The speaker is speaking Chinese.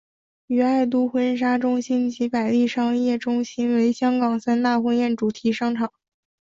与爱都婚纱中心及百利商业中心为香港三大婚宴主题商场。